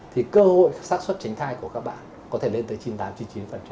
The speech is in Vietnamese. thì cơ hội sát xuất tránh thai của các bạn có thể lên tới chín mươi tám chín